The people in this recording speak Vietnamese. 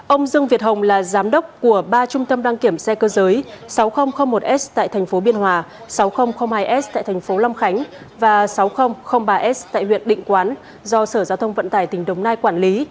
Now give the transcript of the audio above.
ông dương việt hồng là giám đốc của ba trung tâm đăng kiểm xe cơ giới sáu nghìn một s tại thành phố biên hòa sáu nghìn hai s tại thành phố long khánh và sáu nghìn ba s tại huyện định quán do sở giao thông vận tải tỉnh đồng nai quản lý